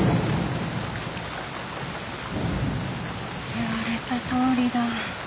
言われたとおりだ。